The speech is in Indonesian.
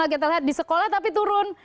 kita lihat di sekolah tapi turun